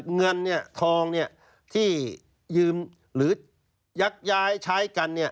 เงินทองที่ยืมหรือยักย้ายใช้กัน